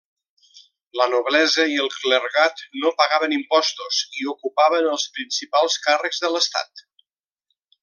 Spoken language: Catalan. La noblesa i el clergat no pagaven impostos i ocupaven els principals càrrecs de l'Estat.